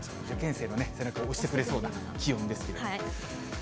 受験生の背中を押してくれそうな気温ですけれども。